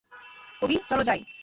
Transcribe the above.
কবি, চলো যাই।